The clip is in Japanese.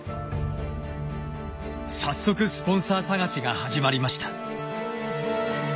早速スポンサー探しが始まりました。